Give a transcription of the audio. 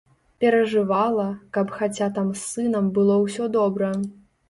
Перажывала, каб хаця там з сынам было ўсё добра.